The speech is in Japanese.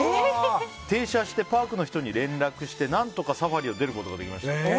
停車してパークの人に連絡して何とか、サファリを出ることができました。